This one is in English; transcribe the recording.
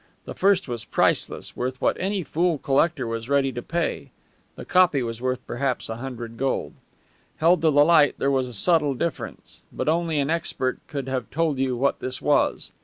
The first was priceless, worth what any fool collector was ready to pay; the copy was worth perhaps a hundred gold. Held to the light, there was a subtle difference; but only an expert could have told you what this difference was.